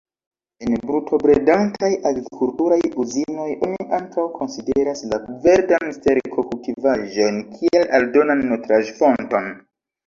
En bruto-bredantaj agrikulturaj uzinoj, oni ankaŭ konsideras la verdan sterko-kultivaĵojn kiel aldonan nutraĵ-fonton.